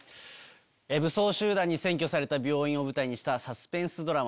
武装集団に占拠された病院を舞台にしたサスペンスドラマです。